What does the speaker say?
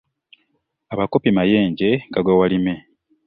Abakopi mayenje gagwa walime .